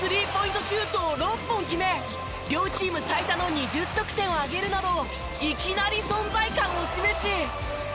シュートを６本決め両チーム最多の２０得点を挙げるなどいきなり存在感を示し。